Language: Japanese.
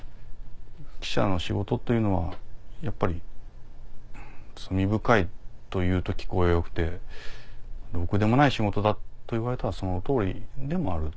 記者の仕事というのはやっぱり「罪深い」と言うと聞こえ良くて「ろくでもない仕事だ」と言われたらその通りでもある。